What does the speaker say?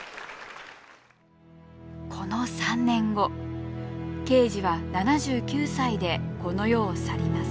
この３年後ケージは７９歳でこの世を去ります。